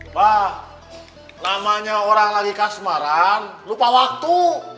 mbah lamanya orang lagi kasmaran lupa waktu